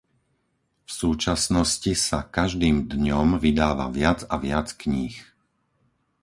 V súčasnosti sa každým dňom vydáva viac a viac kníh.